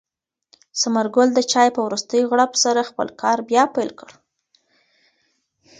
ثمر ګل د چای په وروستۍ غړپ سره خپل کار بیا پیل کړ.